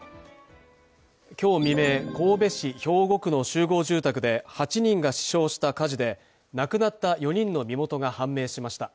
今日未明、神戸市兵庫区の集合住宅で、８人が死傷した火事で、亡くなった４人の身元が判明しました。